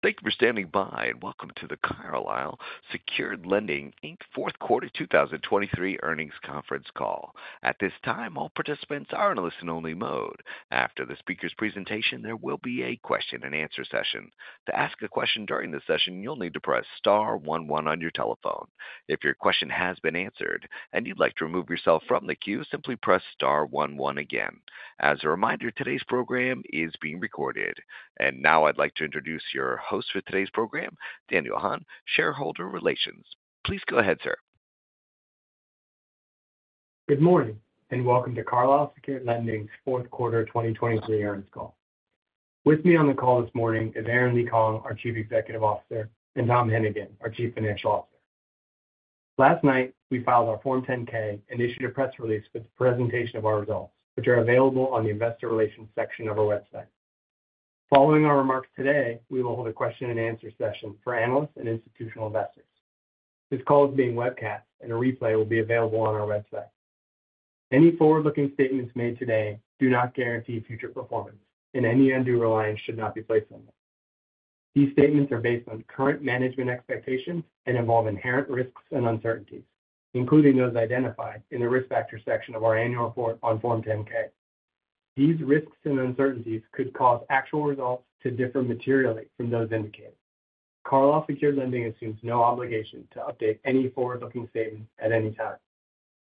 Thank you for standing by and welcome to the Carlyle Secured Lending, Inc Fourth Quarter 2023 Earnings Conference Call. At this time, all participants are in a listen-only mode. After the speaker's presentation, there will be a question-and-answer session. To ask a question during the session, you'll need to press star one one on your telephone. If your question has been answered and you'd like to remove yourself from the queue, simply press star one one again. As a reminder, today's program is being recorded. Now I'd like to introduce your host for today's program, Daniel Hahn, shareholder relations. Please go ahead, sir. Good morning and welcome to Carlyle Secured Lending's Fourth Quarter 2023 Earnings Call. With me on the call this morning is Aren LeeKong, our Chief Executive Officer, and Tom Hennigan, our Chief Financial Officer. Last night, we filed our Form 10-K and issued a press release with the presentation of our results, which are available on the investor relations section of our website. Following our remarks today, we will hold a question-and-answer session for analysts and institutional investors. This call is being webcast, and a replay will be available on our website. Any forward-looking statements made today do not guarantee future performance, and any undue reliance should not be placed on them. These statements are based on current management expectations and involve inherent risks and uncertainties, including those identified in the risk factors section of our annual report on Form 10-K. These risks and uncertainties could cause actual results to differ materially from those indicated. Carlyle Secured Lending assumes no obligation to update any forward-looking statements at any time.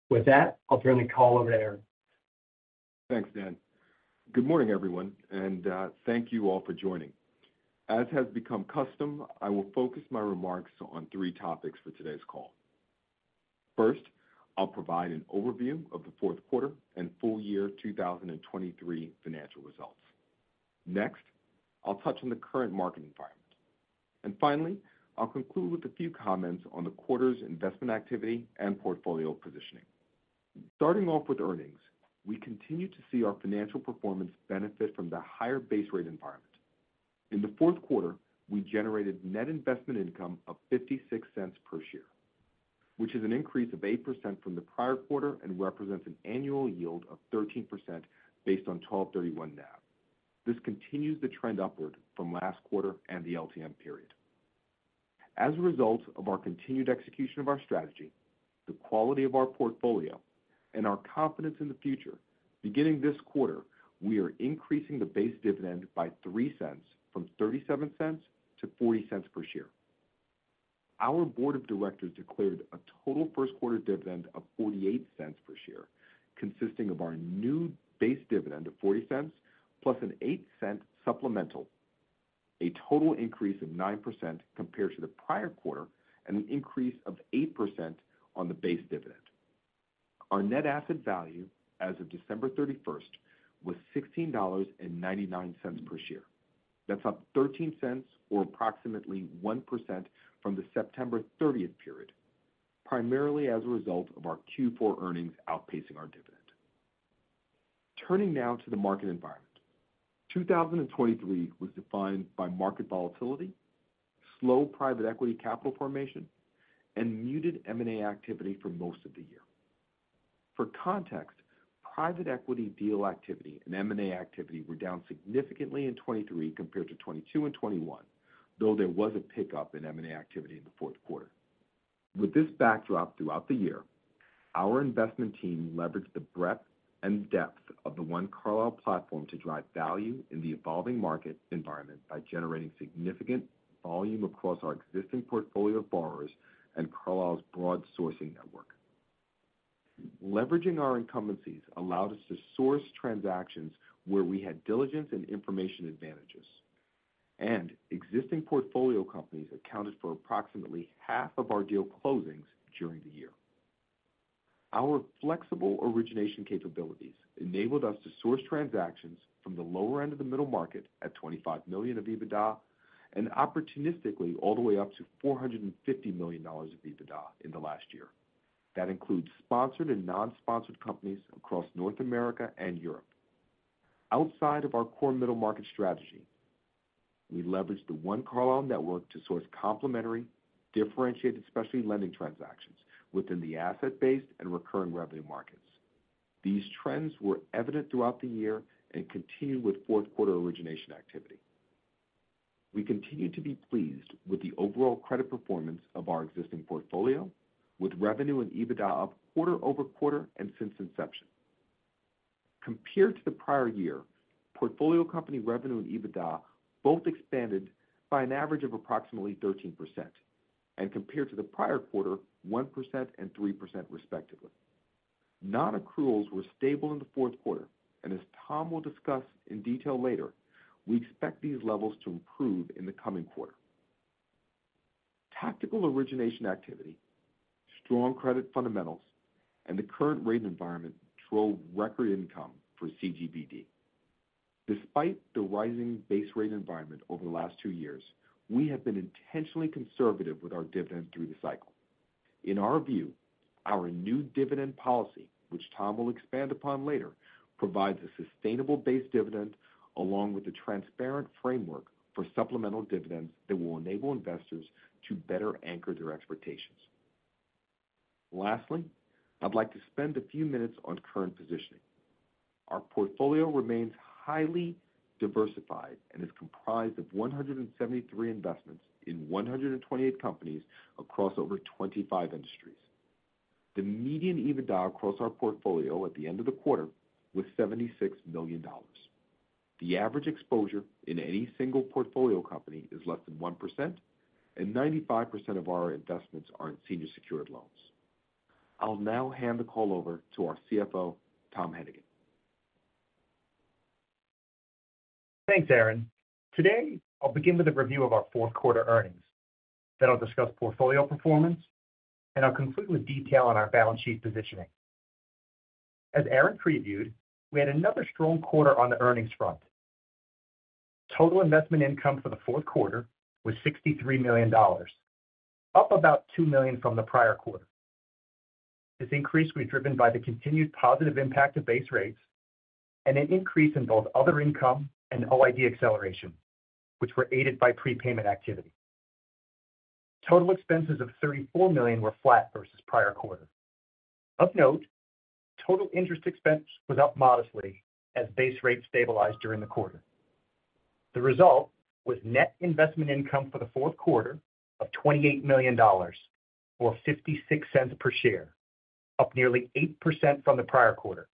With that, I'll turn the call over to Aren. Thanks, Dan. Good morning, everyone, and thank you all for joining. As has become custom, I will focus my remarks on three topics for today's call. First, I'll provide an overview of the fourth quarter and full year 2023 financial results. Next, I'll touch on the current market environment. Finally, I'll conclude with a few comments on the quarter's investment activity and portfolio positioning. Starting off with earnings, we continue to see our financial performance benefit from the higher base rate environment. In the fourth quarter, we generated net investment income of $0.56 per share, which is an increase of 8% from the prior quarter and represents an annual yield of 13% based on 12/31 NAV. This continues the trend upward from last quarter and the LTM period. As a result of our continued execution of our strategy, the quality of our portfolio, and our confidence in the future, beginning this quarter, we are increasing the base dividend by $0.03 from $0.37 to $0.40 per share. Our board of directors declared a total first-quarter dividend of $0.48 per share, consisting of our new base dividend of $0.40 plus an $0.08 supplemental, a total increase of 9% compared to the prior quarter and an increase of 8% on the base dividend. Our net asset value as of December 31st was $16.99 per share. That's up $0.13 or approximately 1% from the September 30th period, primarily as a result of our Q4 earnings outpacing our dividend. Turning now to the market environment, 2023 was defined by market volatility, slow private equity capital formation, and muted M&A activity for most of the year. For context, private equity deal activity and M&A activity were down significantly in 2023 compared to 2022 and 2021, though there was a pickup in M&A activity in the fourth quarter. With this backdrop throughout the year, our investment team leveraged the breadth and depth of the One Carlyle platform to drive value in the evolving market environment by generating significant volume across our existing portfolio of borrowers and Carlyle's broad sourcing network. Leveraging our incumbencies allowed us to source transactions where we had diligence and information advantages, and existing portfolio companies accounted for approximately half of our deal closings during the year. Our flexible origination capabilities enabled us to source transactions from the lower end of the middle market at $25 million of EBITDA and opportunistically all the way up to $450 million of EBITDA in the last year. That includes sponsored and non-sponsored companies across North America and Europe. Outside of our core middle market strategy, we leveraged the One Carlyle network to source complementary, differentiated specialty lending transactions within the asset-based and recurring revenue markets. These trends were evident throughout the year and continued with fourth quarter origination activity. We continue to be pleased with the overall credit performance of our existing portfolio, with revenue and EBITDA up quarter-over-quarter and since inception. Compared to the prior year, portfolio company revenue and EBITDA both expanded by an average of approximately 13% and compared to the prior quarter 1% and 3% respectively. Non-accruals were stable in the fourth quarter, and as Tom will discuss in detail later, we expect these levels to improve in the coming quarter. Tactical origination activity, strong credit fundamentals, and the current rate environment drove record income for CGBD. Despite the rising base rate environment over the last two years, we have been intentionally conservative with our dividend through the cycle. In our view, our new dividend policy, which Tom will expand upon later, provides a sustainable base dividend along with a transparent framework for supplemental dividends that will enable investors to better anchor their expectations. Lastly, I'd like to spend a few minutes on current positioning. Our portfolio remains highly diversified and is comprised of 173 investments in 128 companies across over 25 industries. The median EBITDA across our portfolio at the end of the quarter was $76 million. The average exposure in any single portfolio company is less than 1%, and 95% of our investments are in senior secured loans. I'll now hand the call over to our CFO, Tom Hennigan. Thanks, Aren. Today, I'll begin with a review of our fourth-quarter earnings. Then I'll discuss portfolio performance, and I'll conclude with detail on our balance sheet positioning. As Aren previewed, we had another strong quarter on the earnings front. Total investment income for the fourth quarter was $63 million, up about $2 million from the prior quarter. This increase was driven by the continued positive impact of base rates and an increase in both other income and OID acceleration, which were aided by prepayment activity. Total expenses of $34 million were flat versus prior quarter. Of note, total interest expense was up modestly as base rates stabilized during the quarter. The result was net investment income for the fourth quarter of $28 million or $0.56 per share, up nearly 8% from the prior quarter.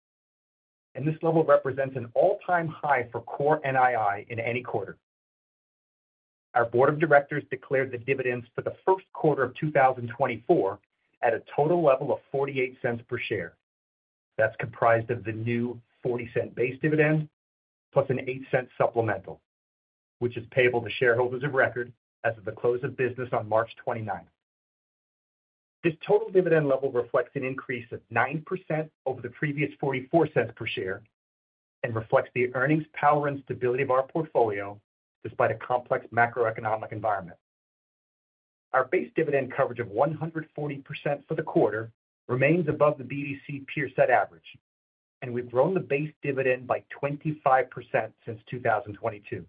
This level represents an all-time high for core NII in any quarter. Our board of directors declared the dividends for the first quarter of 2024 at a total level of $0.48 per share. That's comprised of the new $0.40 base dividend plus an $0.08 supplemental, which is payable to shareholders of record as of the close of business on March 29th. This total dividend level reflects an increase of 9% over the previous $0.44 per share and reflects the earnings power and stability of our portfolio despite a complex macroeconomic environment. Our base dividend coverage of 140% for the quarter remains above the BDC peer set average, and we've grown the base dividend by 25% since 2022.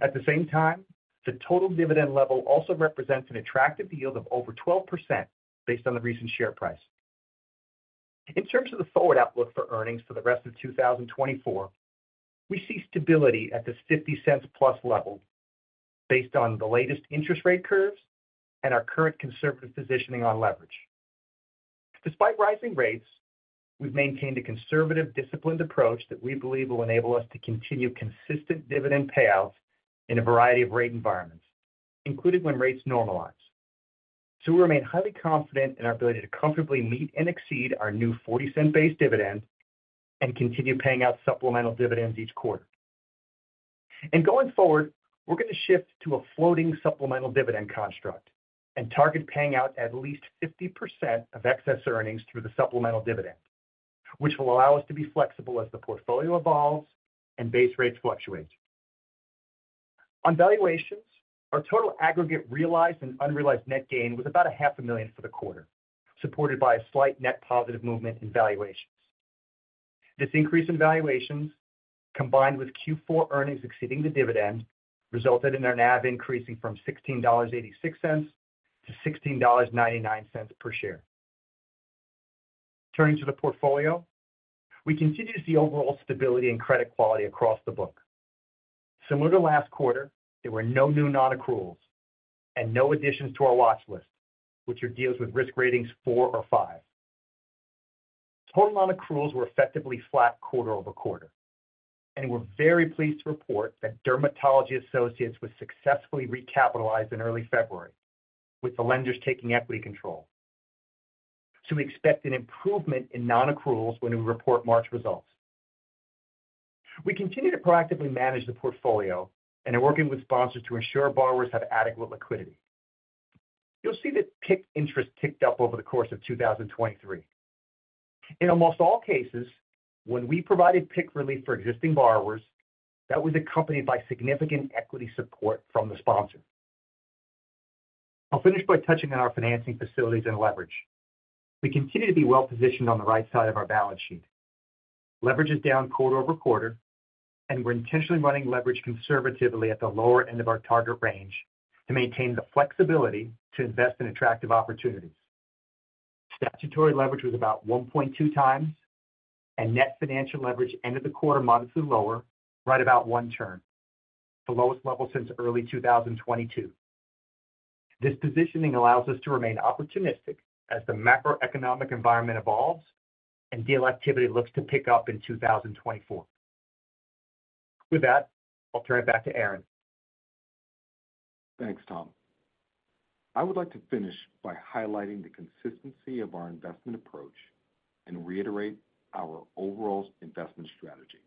At the same time, the total dividend level also represents an attractive yield of over 12% based on the recent share price. In terms of the forward outlook for earnings for the rest of 2024, we see stability at the $0.50+ level based on the latest interest rate curves and our current conservative positioning on leverage. Despite rising rates, we've maintained a conservative disciplined approach that we believe will enable us to continue consistent dividend payouts in a variety of rate environments, including when rates normalize. We remain highly confident in our ability to comfortably meet and exceed our new $0.40 base dividend and continue paying out supplemental dividends each quarter. Going forward, we're going to shift to a floating supplemental dividend construct and target paying out at least 50% of excess earnings through the supplemental dividend, which will allow us to be flexible as the portfolio evolves and base rates fluctuate. On valuations, our total aggregate realized and unrealized net gain was about $500,000 for the quarter, supported by a slight net positive movement in valuations. This increase in valuations, combined with Q4 earnings exceeding the dividend, resulted in our NAV increasing from $16.86 to $16.99 per share. Turning to the portfolio, we continue to see overall stability and credit quality across the book. Similar to last quarter, there were no new non-accruals and no additions to our watchlist, which are deals with risk ratings 4 or 5. Total non-accruals were effectively flat quarter-over-quarter, and we're very pleased to report that Dermatology Associates was successfully recapitalized in early February, with the lenders taking equity control. So we expect an improvement in non-accruals when we report March results. We continue to proactively manage the portfolio and are working with sponsors to ensure borrowers have adequate liquidity. You'll see that PIK interest ticked up over the course of 2023. In almost all cases, when we provided PIK relief for existing borrowers, that was accompanied by significant equity support from the sponsor. I'll finish by touching on our financing facilities and leverage. We continue to be well-positioned on the right side of our balance sheet. Leverage is down quarter-over-quarter, and we're intentionally running leverage conservatively at the lower end of our target range to maintain the flexibility to invest in attractive opportunities. Statutory leverage was about 1.2 times, and net financial leverage end of the quarter modestly lower, right about one turn, the lowest level since early 2022. This positioning allows us to remain opportunistic as the macroeconomic environment evolves and deal activity looks to pick up in 2024. With that, I'll turn it back to Aren. Thanks, Tom. I would like to finish by highlighting the consistency of our investment approach and reiterate our overall investment strategy.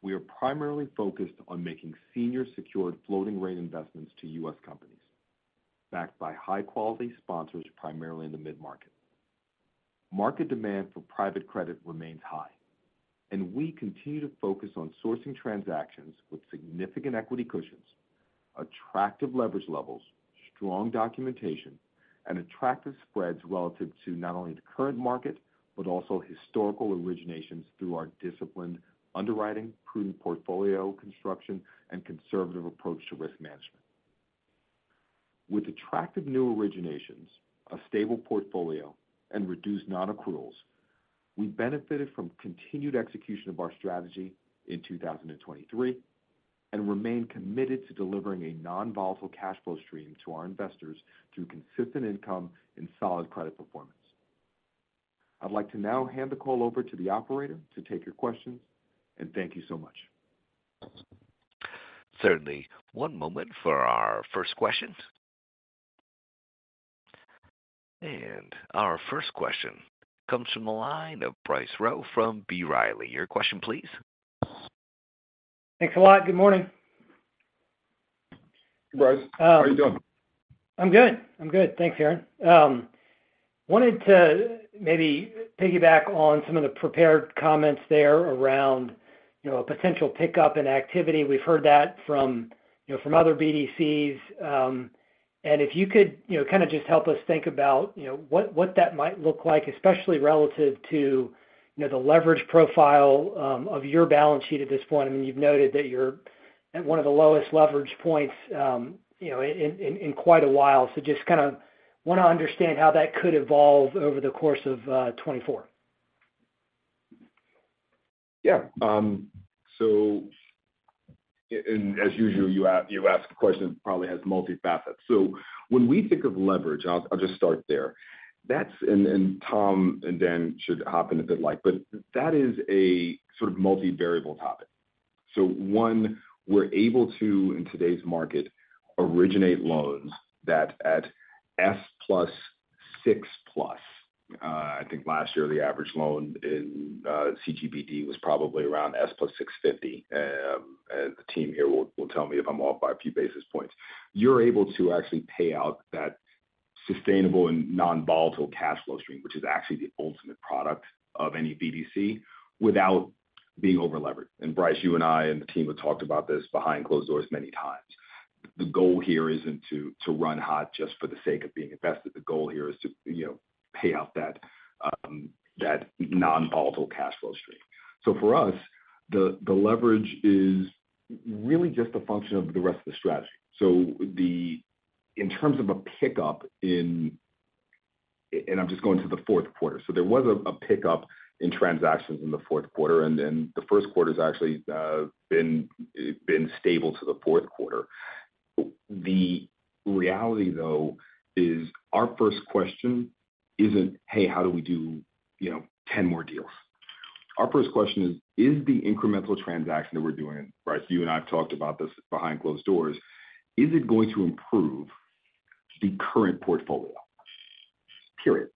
We are primarily focused on making senior secured floating rate investments to U.S. companies, backed by high-quality sponsors primarily in the mid-market. Market demand for private credit remains high, and we continue to focus on sourcing transactions with significant equity cushions, attractive leverage levels, strong documentation, and attractive spreads relative to not only the current market but also historical originations through our disciplined underwriting, prudent portfolio construction, and conservative approach to risk management. With attractive new originations, a stable portfolio, and reduced non-accruals, we benefited from continued execution of our strategy in 2023 and remain committed to delivering a non-volatile cash flow stream to our investors through consistent income and solid credit performance. I'd like to now hand the call over to the operator to take your questions, and thank you so much. Certainly. One moment for our first question. Our first question comes from the line of Bryce Rowe from B. Riley. Your question, please. Thanks a lot. Good morning. Hey, Bryce. How are you doing? I'm good. I'm good. Thanks, Aren. Wanted to maybe piggyback on some of the prepared comments there around a potential pickup in activity. We've heard that from other BDCs. And if you could kind of just help us think about what that might look like, especially relative to the leverage profile of your balance sheet at this point. I mean, you've noted that you're at one of the lowest leverage points in quite a while. So just kind of want to understand how that could evolve over the course of 2024. Yeah. So as usual, you ask a question that probably has many facets. So when we think of leverage, I'll just start there. And Tom and Dan should hop in if they'd like. But that is a sort of multi-variable topic. So one, we're able to, in today's market, originate loans that at S+600+. I think last year, the average loan in CGBD was probably around S+650. And the team here will tell me if I'm off by a few basis points. You're able to actually pay out that sustainable and non-volatile cash flow stream, which is actually the ultimate product of any BDC, without being over-leveraged. And Bryce, you and I and the team have talked about this behind closed doors many times. The goal here isn't to run hot just for the sake of being invested. The goal here is to pay out that non-volatile cash flow stream. So for us, the leverage is really just a function of the rest of the strategy. So in terms of a pickup in and I'm just going to the fourth quarter. So there was a pickup in transactions in the fourth quarter, and the first quarter's actually been stable to the fourth quarter. The reality, though, is our first question isn't, "Hey, how do we do 10 more deals?" Our first question is, "Is the incremental transaction that we're doing" Bryce, you and I have talked about this behind closed doors "is it going to improve the current portfolio?" Period.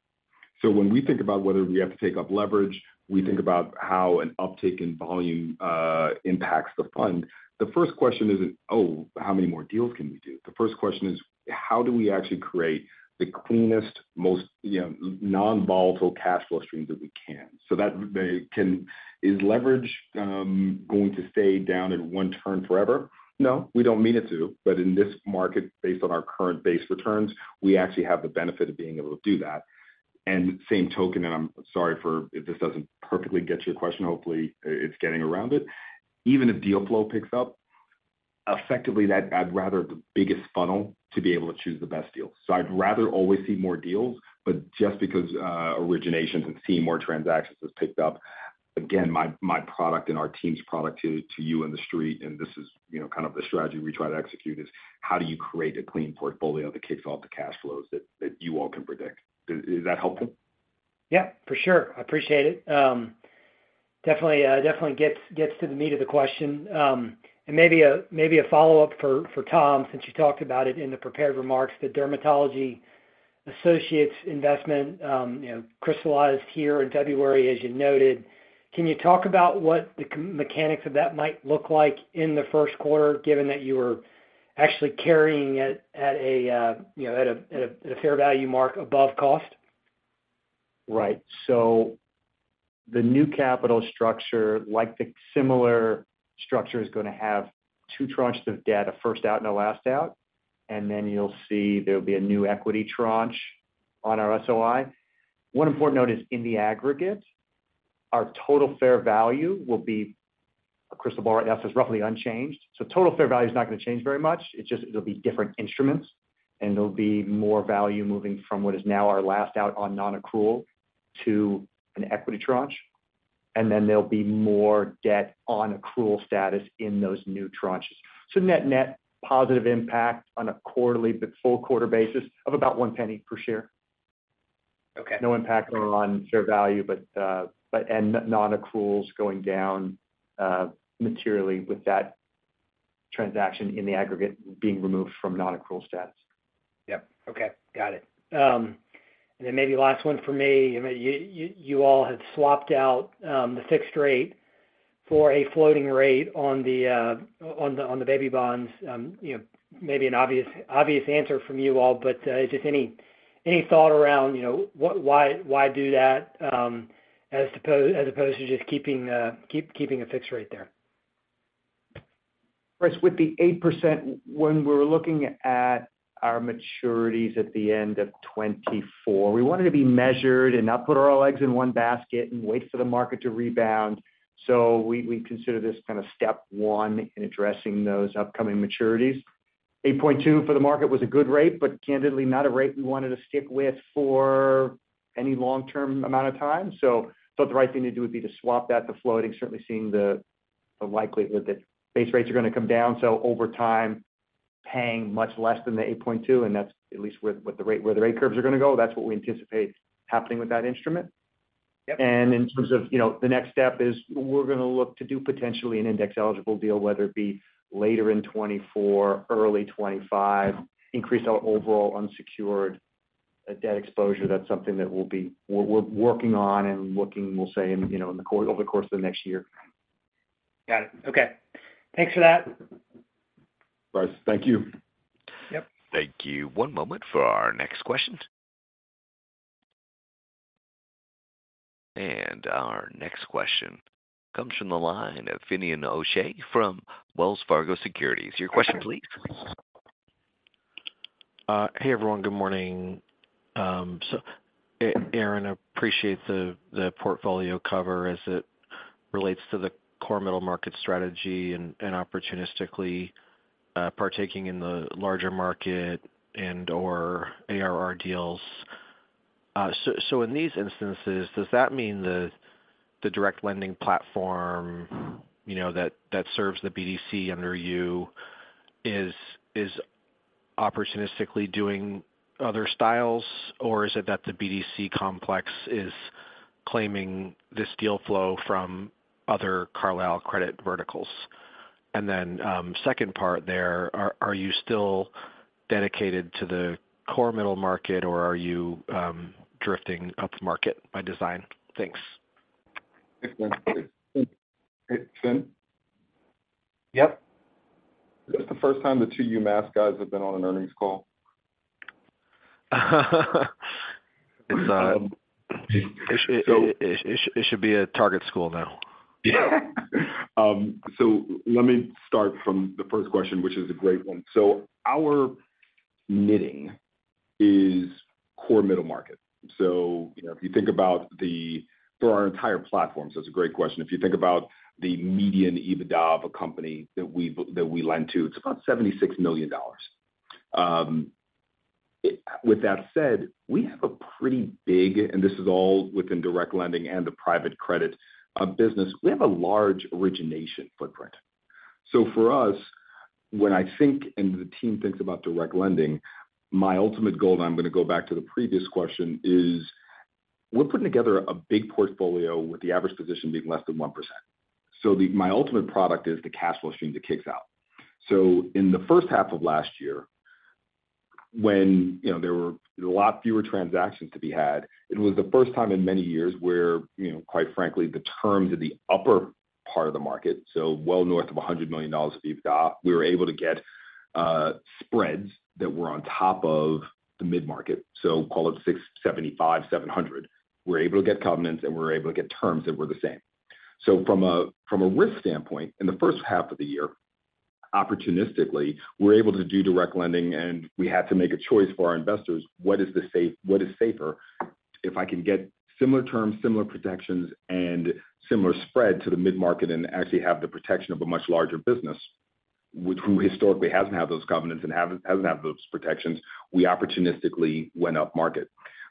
So when we think about whether we have to take up leverage, we think about how an uptake in volume impacts the fund. The first question isn't, "Oh, how many more deals can we do?" The first question is, "How do we actually create the cleanest, most non-volatile cash flow streams that we can?" So is leverage going to stay down in one turn forever? No, we don't mean it to. But in this market, based on our current base returns, we actually have the benefit of being able to do that. And same token and I'm sorry if this doesn't perfectly get your question. Hopefully, it's getting around it. Even if deal flow picks up, effectively, that's rather the biggest funnel to be able to choose the best deals. So I'd rather always see more deals. But just because originations and seeing more transactions has picked up, again, my product and our team's product to you and the street and this is kind of the strategy we try to execute is, "How do you create a clean portfolio that kicks off the cash flows that you all can predict?" Is that helpful? Yeah, for sure. I appreciate it. Definitely gets to the meat of the question. And maybe a follow-up for Tom since you talked about it in the prepared remarks. The Dermatology Associates investment crystallized here in February, as you noted. Can you talk about what the mechanics of that might look like in the first quarter, given that you were actually carrying at a fair value mark above cost? Right. The new capital structure, like the similar structure, is going to have two tranches of debt, first out and the last out. You'll see there'll be a new equity tranche on our SOI. One important note is, in the aggregate, our total fair value will be a crystal ball right now. It's roughly unchanged. Total fair value is not going to change very much. It'll be different instruments, and there'll be more value moving from what is now our last out on non-accrual to an equity tranche. There'll be more debt on accrual status in those new tranches. Net-net positive impact on a quarterly but full quarter basis of about $0.01 per share. No impact on fair value, and non-accruals going down materially with that transaction in the aggregate being removed from non-accrual status. Yep. Okay. Got it. And then maybe last one for me. You all had swapped out the fixed rate for a floating rate on the baby bonds. Maybe an obvious answer from you all, but just any thought around why do that as opposed to just keeping a fixed rate there? Bryce, with the 8%, when we were looking at our maturities at the end of 2024, we wanted to be measured and not put all our eggs in one basket and wait for the market to rebound. So we considered this kind of step one in addressing those upcoming maturities. 8.2% for the market was a good rate, but candidly, not a rate we wanted to stick with for any long-term amount of time. So I thought the right thing to do would be to swap that to floating, certainly seeing the likelihood that base rates are going to come down. So over time, paying much less than the 8.2%, and that's at least where the rate curves are going to go. That's what we anticipate happening with that instrument. In terms of the next step is, we're going to look to do potentially an index-eligible deal, whether it be later in 2024, early 2025, increase our overall unsecured debt exposure. That's something that we're working on and looking, we'll say, over the course of the next year. Got it. Okay. Thanks for that. Bryce, thank you. Yep. Thank you. One moment for our next question. Our next question comes from the line of Finian O'Shea from Wells Fargo Securities. Your question, please. Hey, everyone. Good morning. So Aren appreciates the portfolio cover as it relates to the core middle market strategy and opportunistically partaking in the larger market and/or ARR deals. So in these instances, does that mean the direct lending platform that serves the BDC under you is opportunistically doing other styles, or is it that the BDC complex is claiming this deal flow from other Carlyle credit verticals? And then second part there, are you still dedicated to the core middle market, or are you drifting up market by design? Thanks. Excellent. Thanks. Hey, Finn? Yep. This is the first time the two UMass guys have been on an earnings call. It should be a target school now. Yeah. So let me start from the first question, which is a great one. So our knitting is core middle market. So if you think about the for our entire platform, so it's a great question. If you think about the median EBITDA of a company that we lend to, it's about $76 million. With that said, we have a pretty big and this is all within direct lending and the private credit business. We have a large origination footprint. So for us, when I think and the team thinks about direct lending, my ultimate goal and I'm going to go back to the previous question is, we're putting together a big portfolio with the average position being less than 1%. So my ultimate product is the cash flow stream that kicks out. So in the first half of last year, when there were a lot fewer transactions to be had, it was the first time in many years where, quite frankly, the terms in the upper part of the market, so well north of $100 million of EBITDA, we were able to get spreads that were on top of the mid-market. So call it 75, 700. We're able to get covenants, and we were able to get terms that were the same. So from a risk standpoint, in the first half of the year, opportunistically, we were able to do direct lending, and we had to make a choice for our investors, "What is safer? If I can get similar terms, similar protections, and similar spread to the mid-market and actually have the protection of a much larger business," which historically hasn't had those covenants and hasn't had those protections, "we opportunistically went up market."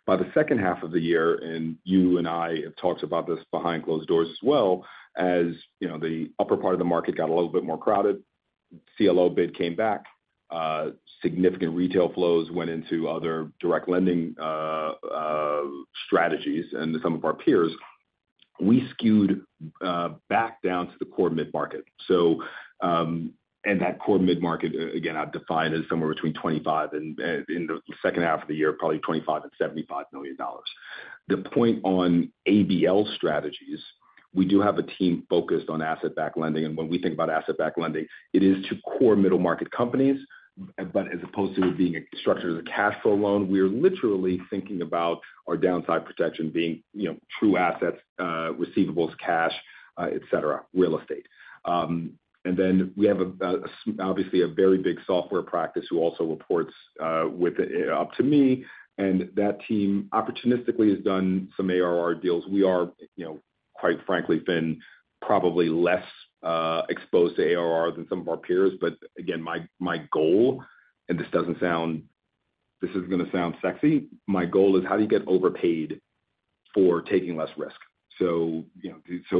By the second half of the year and you and I have talked about this behind closed doors as well, as the upper part of the market got a little bit more crowded, CLO bid came back, significant retail flows went into other direct lending strategies, and some of our peers, we skewed back down to the core mid-market. And that core mid-market, again, I'd define as somewhere between 25 and in the second half of the year, probably $25 million-$75 million. The point on ABL strategies, we do have a team focused on asset-backed lending. And when we think about asset-backed lending, it is to core middle market companies. But as opposed to it being structured as a cash flow loan, we are literally thinking about our downside protection being true assets, receivables, cash, etc., real estate. And then we have, obviously, a very big software practice who also reports up to me. And that team, opportunistically, has done some ARR deals. We are, quite frankly, Finn, probably less exposed to ARR than some of our peers. But again, my goal and this doesn't sound – this is going to sound sexy. My goal is, "How do you get overpaid for taking less risk?" So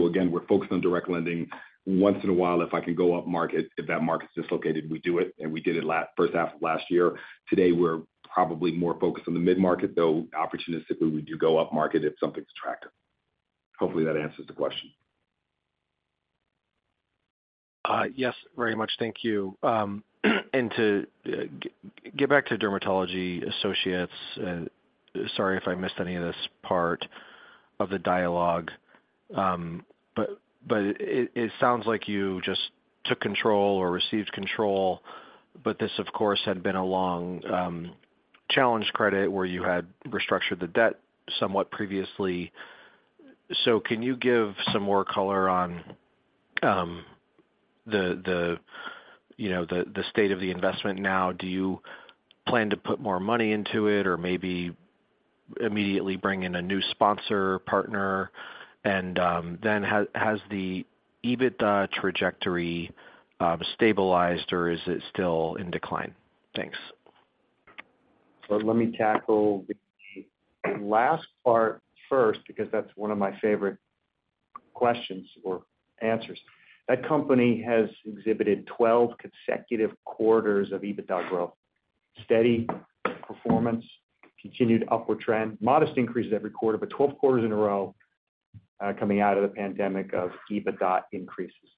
again, we're focused on direct lending. Once in a while, if I can go up market, if that market's dislocated, we do it. And we did it first half of last year. Today, we're probably more focused on the mid-market, though opportunistically, we do go up market if something's attractive. Hopefully, that answers the question. Yes, very much. Thank you. And to get back to Dermatology Associates, sorry if I missed any of this part of the dialogue. But it sounds like you just took control or received control. But this, of course, had been a long challenged credit where you had restructured the debt somewhat previously. So can you give some more color on the state of the investment now? Do you plan to put more money into it or maybe immediately bring in a new sponsor partner? And then has the EBITDA trajectory stabilized, or is it still in decline? Thanks. So let me tackle the last part first because that's one of my favorite questions or answers. That company has exhibited 12 consecutive quarters of EBITDA growth, steady performance, continued upward trend, modest increases every quarter, but 12 quarters in a row coming out of the pandemic of EBITDA increases.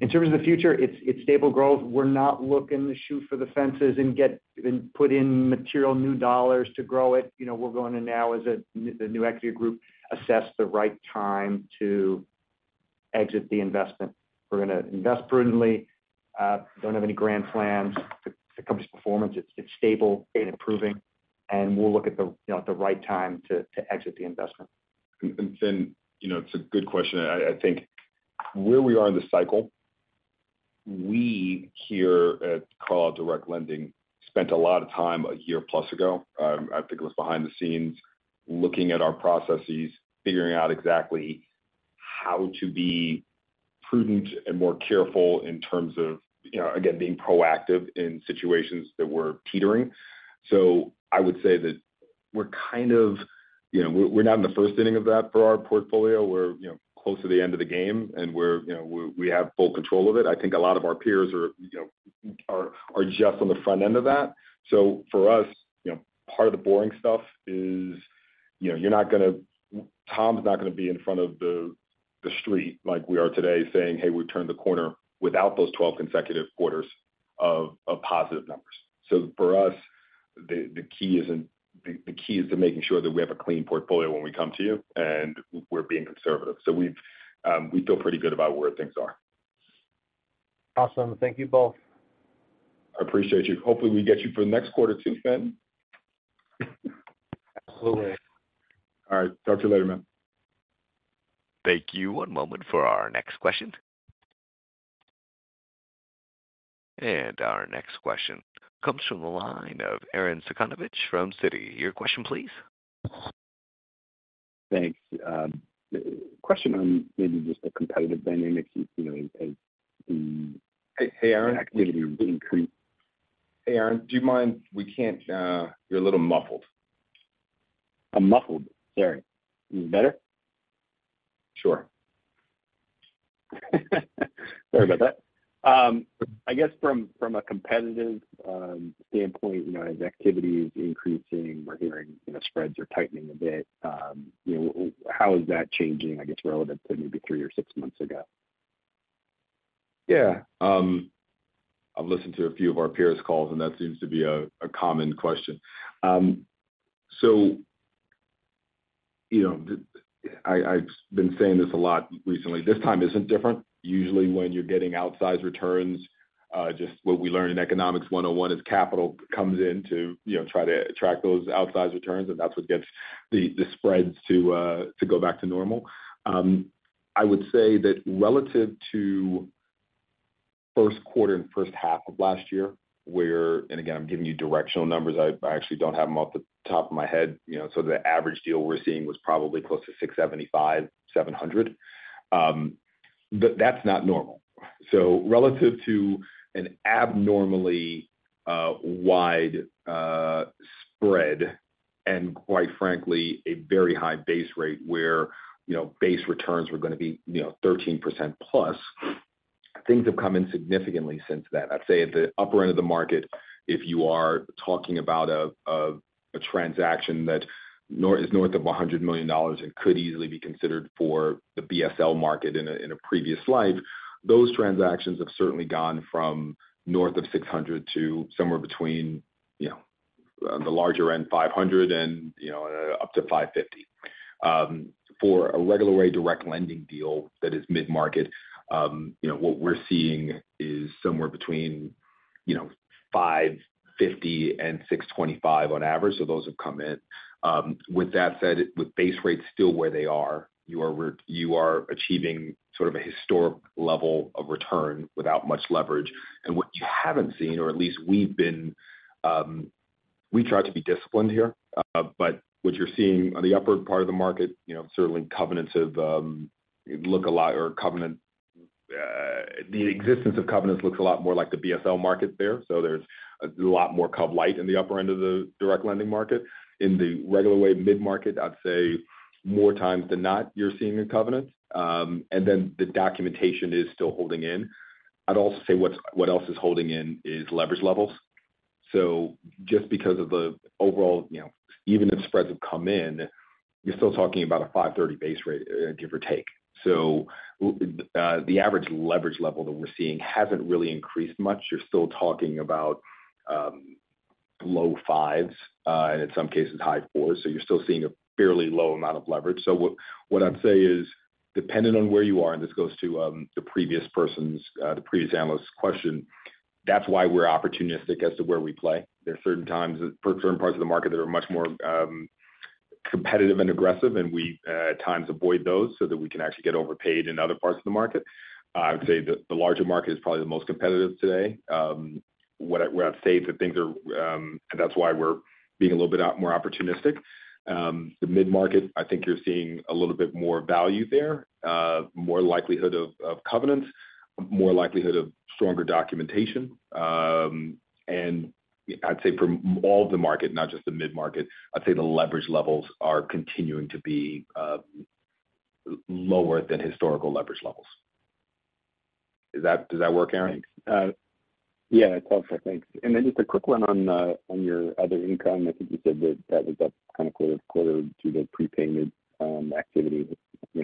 In terms of the future, it's stable growth. We're not looking to shoot for the fences and put in material new dollars to grow it. We're going to now, as the new equity group, assess the right time to exit the investment. We're going to invest prudently. Don't have any grand plans. The company's performance, it's stable and improving. And we'll look at the right time to exit the investment. Finn, it's a good question. I think where we are in the cycle, we here at Carlyle Direct Lending spent a lot of time a year-plus ago, I think it was behind the scenes, looking at our processes, figuring out exactly how to be prudent and more careful in terms of, again, being proactive in situations that were teetering. So I would say that we're kind of not in the first inning of that for our portfolio. We're close to the end of the game, and we have full control of it. I think a lot of our peers are just on the front end of that. So, for us, part of the boring stuff is you're not going to—Tom's not going to be in front of the street like we are today saying, "Hey, we've turned the corner without those 12 consecutive quarters of positive numbers." So, for us, the key isn't—the key is to making sure that we have a clean portfolio when we come to you, and we're being conservative. So, we feel pretty good about where things are. Awesome. Thank you both. I appreciate you. Hopefully, we get you for the next quarter too, Finn. Absolutely. All right. Talk to you later, man. Thank you. One moment for our next question. And our next question comes from the line of Arren Cyganovich from Citi. Your question, please. Thanks. Question on maybe just the competitive dynamics as the activities increase. Hey, Arren, do you mind? We can't. You're a little muffled. I'm muffled. Sorry. You better? Sure. Sorry about that. I guess from a competitive standpoint, as activity is increasing, we're hearing spreads are tightening a bit. How is that changing, I guess, relative to maybe three or six months ago? Yeah. I've listened to a few of our peers' calls, and that seems to be a common question. So I've been saying this a lot recently. This time isn't different. Usually, when you're getting outsized returns, just what we learn in Economics 101 is capital comes in to try to attract those outsized returns, and that's what gets the spreads to go back to normal. I would say that relative to first quarter and first half of last year, where and again, I'm giving you directional numbers. I actually don't have them off the top of my head. So the average deal we're seeing was probably close to 675-700. That's not normal. So relative to an abnormally wide spread and, quite frankly, a very high base rate where base returns were going to be 13%+, things have come in significantly since then. I'd say at the upper end of the market, if you are talking about a transaction that is north of $100 million and could easily be considered for the BSL market in a previous life, those transactions have certainly gone from north of 600 to somewhere between the larger end, 500-550. For a regular-rate direct lending deal that is mid-market, what we're seeing is somewhere between 550-625 on average. So those have come in. With that said, with base rates still where they are, you are achieving sort of a historic level of return without much leverage. And what you haven't seen, or at least we've been, we try to be disciplined here. But what you're seeing on the upper part of the market, certainly covenants have loosened a lot, and the existence of covenants looks a lot more like the BSL market there. So there's a lot more cov-lite in the upper end of the direct lending market. In the regular-rate mid-market, I'd say more times than not, you're seeing a covenant. And then the documentation is still holding in. I'd also say what else is holding in is leverage levels. So just because of the overall even if spreads have come in, you're still talking about a 5.30 base rate, give or take. So the average leverage level that we're seeing hasn't really increased much. You're still talking about low fives and, in some cases, high fours. So you're still seeing a fairly low amount of leverage. So what I'd say is, dependent on where you are and this goes to the previous analyst's question, that's why we're opportunistic as to where we play. There are certain times for certain parts of the market that are much more competitive and aggressive, and we at times avoid those so that we can actually get overpaid in other parts of the market. I would say the larger market is probably the most competitive today. Where I'd say that things are and that's why we're being a little bit more opportunistic. The mid-market, I think you're seeing a little bit more value there, more likelihood of covenants, more likelihood of stronger documentation. And I'd say for all of the market, not just the mid-market, I'd say the leverage levels are continuing to be lower than historical leverage levels. Does that work, Arren? Thanks. Yeah, it's helpful. Thanks. And then just a quick one on your other income. I think you said that that was up kind of quarter to the prepayment activity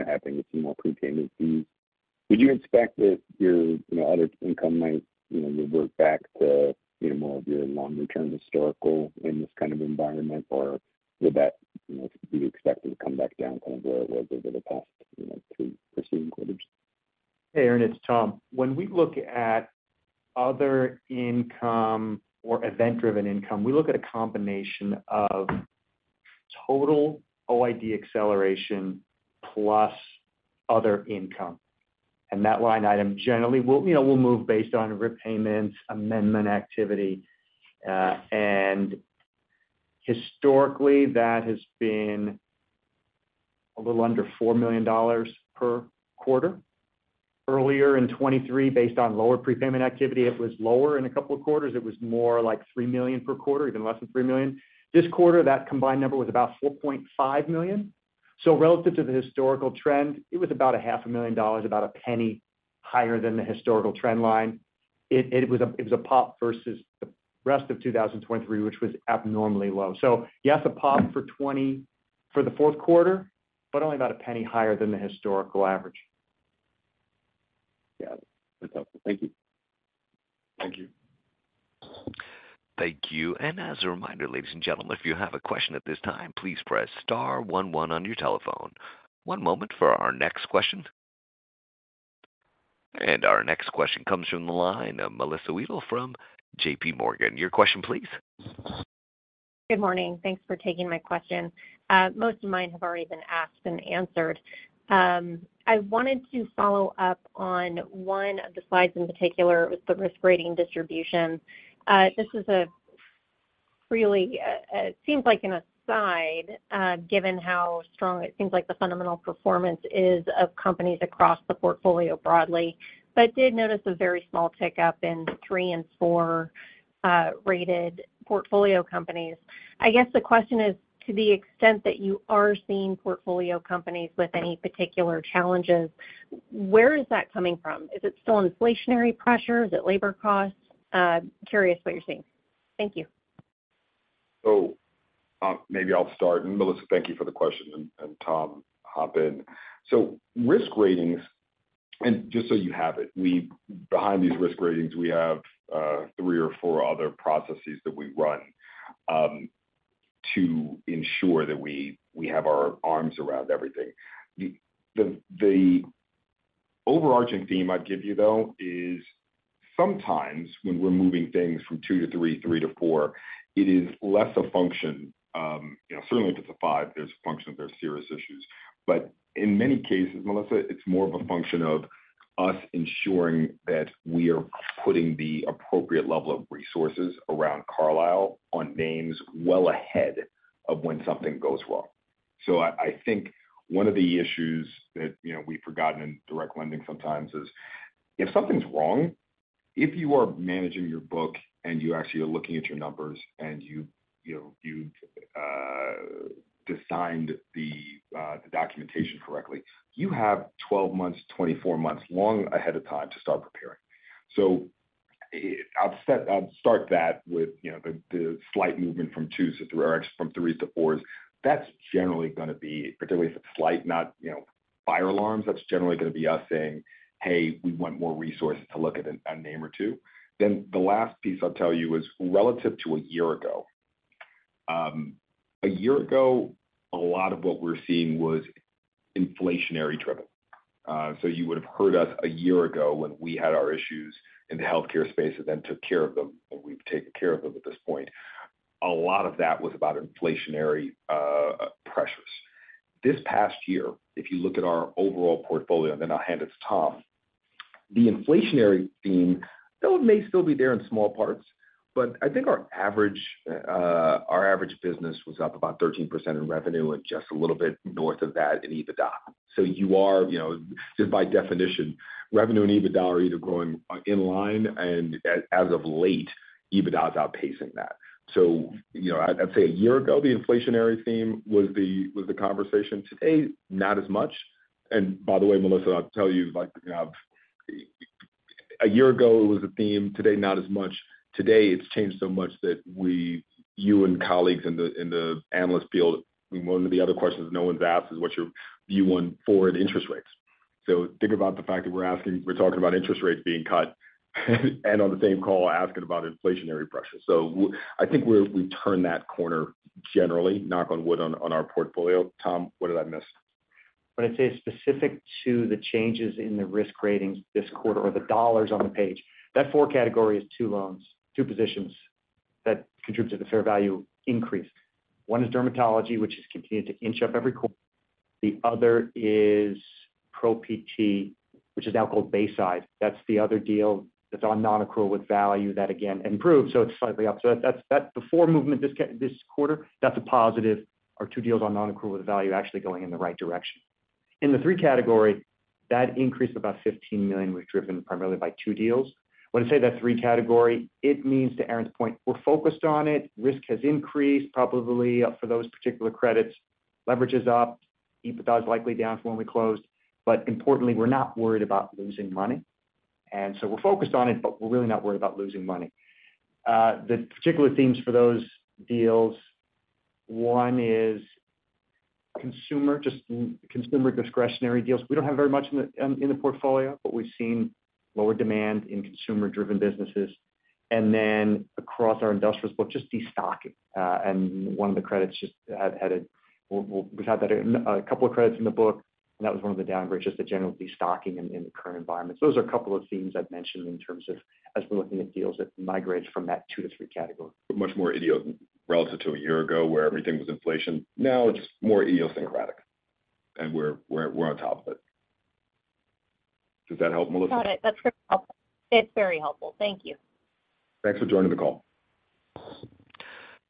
happening. You see more prepayment fees. Would you expect that your other income might work back to more of your long-term historical in this kind of environment, or would that be expected to come back down kind of where it was over the past three preceding quarters? Hey, Arren. It's Tom. When we look at other income or event-driven income, we look at a combination of total OID acceleration plus other income. That line item generally, we'll move based on repayments, amendment activity. Historically, that has been a little under $4 million per quarter. Earlier in 2023, based on lower prepayment activity, it was lower in a couple of quarters. It was more like $3 million per quarter, even less than $3 million. This quarter, that combined number was about $4.5 million. So relative to the historical trend, it was about $500,000, about a penny higher than the historical trend line. It was a pop versus the rest of 2023, which was abnormally low. So yes, a pop for the fourth quarter, but only about a penny higher than the historical average. Yeah. That's helpful. Thank you. Thank you. Thank you. As a reminder, ladies and gentlemen, if you have a question at this time, please press star one one on your telephone. One moment for our next question. Our next question comes from the line, Melissa Wedel from JPMorgan. Your question, please. Good morning. Thanks for taking my question. Most of mine have already been asked and answered. I wanted to follow up on one of the slides in particular. It was the risk rating distribution. This is really it seems like an aside, given how strong it seems like the fundamental performance is of companies across the portfolio broadly, but did notice a very small tick up in three and four-rated portfolio companies. I guess the question is, to the extent that you are seeing portfolio companies with any particular challenges, where is that coming from? Is it still inflationary pressure? Is it labor costs? Curious what you're seeing. Thank you. So maybe I'll start. And Melissa, thank you for the question. And Tom, hop in. So risk ratings and just so you have it, behind these risk ratings, we have three or four other processes that we run to ensure that we have our arms around everything. The overarching theme I'd give you, though, is sometimes when we're moving things from two to three, three to four, it is less a function certainly, if it's a five, there's a function of there's serious issues. But in many cases, Melissa, it's more of a function of us ensuring that we are putting the appropriate level of resources around Carlyle on names well ahead of when something goes wrong. So I think one of the issues that we've forgotten in direct lending sometimes is if something's wrong, if you are managing your book and you actually are looking at your numbers and you've designed the documentation correctly, you have 12 months, 24 months long ahead of time to start preparing. So I'd start that with the slight movement from 2s or 3 or actually from 3s to 4s. That's generally going to be particularly if it's slight, not fire alarms, that's generally going to be us saying, "Hey, we want more resources to look at a name or two." Then the last piece I'll tell you is relative to a year ago. A year ago, a lot of what we're seeing was inflationary-driven. So you would have heard us a year ago when we had our issues in the healthcare space and then took care of them, and we've taken care of them at this point. A lot of that was about inflationary pressures. This past year, if you look at our overall portfolio and then I'll hand it to Tom, the inflationary theme, though, may still be there in small parts. But I think our average business was up about 13% in revenue and just a little bit north of that in EBITDA. So you are just by definition, revenue and EBITDA are either growing in line, and as of late, EBITDA is outpacing that. So I'd say a year ago, the inflationary theme was the conversation. Today, not as much. And by the way, Melissa, I'll tell you, a year ago, it was a theme. Today, not as much. Today, it's changed so much that you and colleagues in the analyst field. One of the other questions no one's asked is what's your view on foreign interest rates. So think about the fact that we're talking about interest rates being cut and on the same call asking about inflationary pressure. So I think we've turned that corner generally, knock on wood, on our portfolio. Tom, what did I miss? When I say specific to the changes in the risk ratings this quarter or the dollars on the page, that four category is two loans, two positions that contribute to the fair value increase. One is Dermatology, which has continued to inch up every quarter. The other is Pro PT, which is now called Bayside. That's the other deal that's on non-accrual with value that, again, improved. So it's slightly up. So that four movement this quarter, that's a positive. Our two deals on non-accrual with value actually going in the right direction. In the three category, that increase of about $15 million was driven primarily by two deals. When I say that three category, it means, to Aren's point, we're focused on it. Risk has increased, probably, for those particular credits. Leverage is up. EBITDA is likely down for when we closed. But importantly, we're not worried about losing money. So we're focused on it, but we're really not worried about losing money. The particular themes for those deals, one is consumer discretionary deals. We don't have very much in the portfolio, but we've seen lower demand in consumer-driven businesses. And then across our industrials, well, just destocking. And one of the credits we've had a couple of credits in the book, and that was one of the downgrades, just the general destocking in the current environment. So those are a couple of themes I'd mentioned in terms of as we're looking at deals that migrate from that 2-3 category. Much more muted relative to a year ago where everything was inflation. Now, it's more idiosyncratic, and we're on top of it. Does that help, Melissa? Got it. That's very helpful. It's very helpful. Thank you. Thanks for joining the call.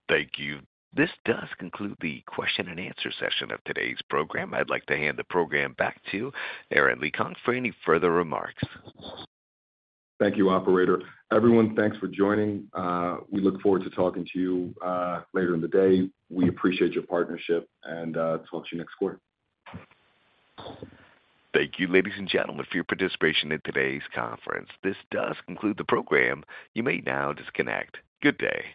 Thank you. This does conclude the question-and-answer session of today's program. I'd like to hand the program back to Aren LeeKong for any further remarks. Thank you, operator. Everyone, thanks for joining. We look forward to talking to you later in the day. We appreciate your partnership, and talk to you next quarter. Thank you, ladies and gentlemen, for your participation in today's conference. This does conclude the program. You may now disconnect. Good day.